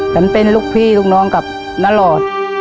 ฉันเป็นลูกพี่ลูกน้องกับนหลอด